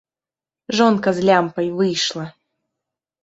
Жонка з лямпай выйшла.